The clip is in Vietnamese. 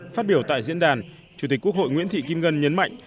phát biểu tại diễn đàn chủ tịch quốc hội nguyễn thị kim ngân nhấn mạnh